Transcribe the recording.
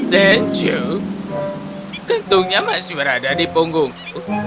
tensio kentungnya masih berada di punggungku